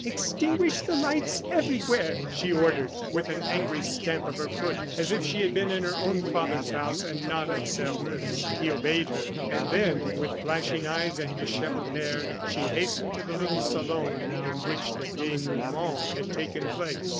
"Extinguish the lights everywhere!" she ordered, with an angry stamp of her foot as if she had been in her own father's house, and not at Sairmeuse. He obeyed her, and then, with flashing eyes and dishevelled hair, she hastened to the little salon in which the denouement had taken place.